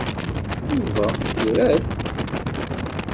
Yuba ira-t.